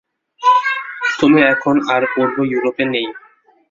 তুমি এখন আর পূর্ব ইউরোপে নেই।